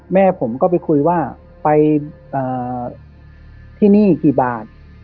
แม่ผมก็ไปคุยว่าไปเอ่อที่นี่กี่บาทครับ